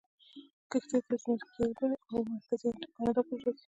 کښتۍ تر مرکزي کاناډا پورې راځي.